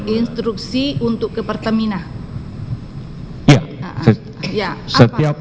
instruksi untuk ke pertamina